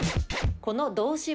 この動詞は？